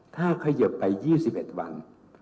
ถ้าเขยิบไป๒๑วัน